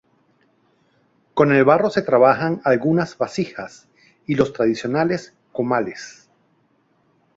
Con el barro se trabajan algunas vasijas y los tradicionales comales.